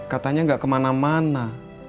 katanya gak kemana mana